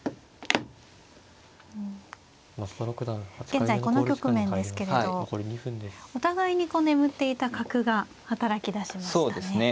現在この局面ですけれどお互いにこう眠っていた角が働きだしましたね。